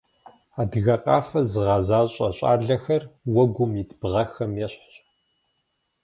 Адыгэ къафэ зыгъэзащӏэ щӏалэхэр уэгум ит бгъэхэм ещхьщ.